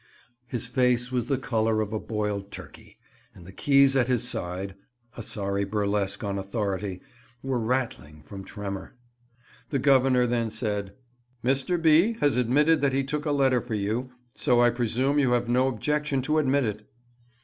His face was the colour of a boiled turkey, and the keys at his side (a sorry burlesque on authority) were rattling from tremour. The Governor then said, "Mr. B— has admitted that he took a letter for you, so I presume you have now no objection to admit it."